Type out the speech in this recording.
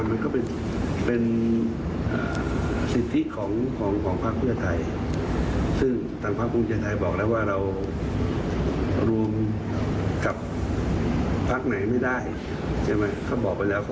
เราก็ทำงานต่อไปนะครับ